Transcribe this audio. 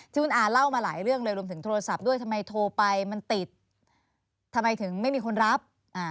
ที่คุณอาเล่ามาหลายเรื่องเลยรวมถึงโทรศัพท์ด้วยทำไมโทรไปมันติดทำไมถึงไม่มีคนรับ